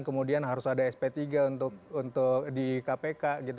kemudian harus ada sp tiga untuk di kpk